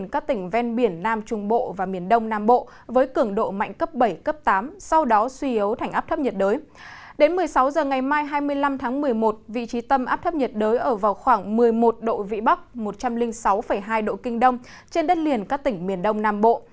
tại hai mươi năm tháng một mươi một vị trí tâm áp thấp nhiệt đới ở vào khoảng một mươi một độ vĩ bắc một trăm linh sáu hai độ kinh đông trên đất liền các tỉnh miền đông nam bộ